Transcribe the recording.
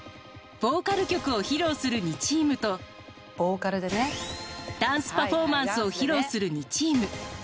ボーカル曲を披露する２チームとダンスパフォーマンスを披露する２チーム。